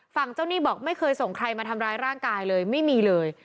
ฝั่งเจ้าหนี้บอกไม่เคยส่งใครมาทำร้ายร่างกายเลยไม่มีเลย